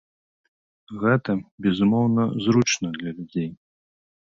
Гэта, безумоўна, зручна для людзей.